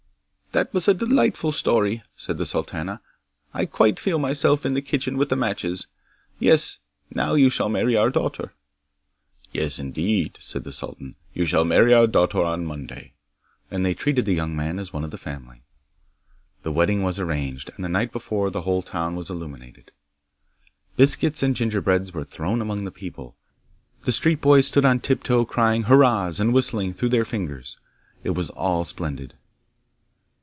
'That was a delightful story!' said the sultana. 'I quite feel myself in the kitchen with the matches. Yes, now you shall marry our daughter.' 'Yes, indeed,' said the sultan, 'you shall marry our daughter on Monday.' And they treated the young man as one of the family. The wedding was arranged, and the night before the whole town was illuminated. Biscuits and gingerbreads were thrown among the people, the street boys stood on tiptoe crying hurrahs and whistling through their fingers. It was all splendid.